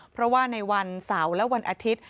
เพราะว่าในวันเสาร์และวันอาทิตย์